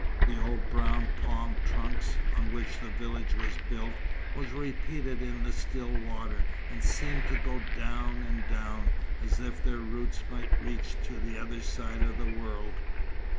The old brown palm trunks, on which the village was built, were repeated in the still water, and seemed to go down and down, as if their roots might reach to the other side of the world.